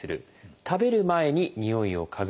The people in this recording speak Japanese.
食べる前ににおいを嗅ぐ。